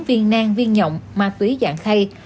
viên nang viên nhộng ma túy dạng khay